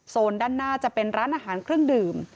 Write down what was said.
ด้านหน้าจะเป็นร้านอาหารเครื่องดื่ม